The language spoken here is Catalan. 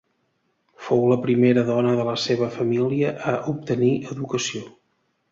Fou la primera dona de la seva família a obtenir educació.